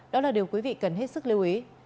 đó là điều quý vị cần hết sức lưu ý